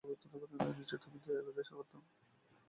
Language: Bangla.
নিশ্চয় তুমি দয়ালুদের সর্বোত্তম।